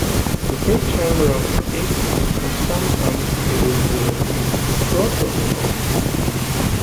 The first chamber of the apex is sometimes called the protoconch.